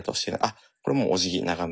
あっこれもうおじぎ長めにね。